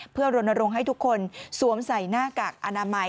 เพื่อโรนโรงให้ทุกคนสวมใส่หน้ากากอาณาไม